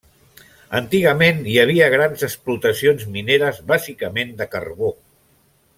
Antigament hi havia grans explotacions mineres, bàsicament de carbó.